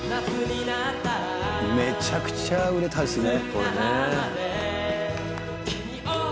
「めちゃくちゃ売れたんですね」